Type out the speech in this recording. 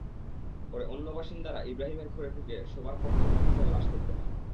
পরে অন্য বাসিন্দারা ইব্রাহিমের ঘরে ঢুকে শোবার কক্ষে নার্গিসের লাশ দেখতে পান।